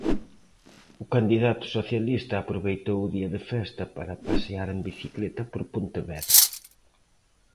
O candidato socialista aproveitou o día de festa para pasear en bicicleta por Pontevedra.